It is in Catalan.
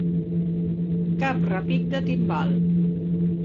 Cap repic de timbal.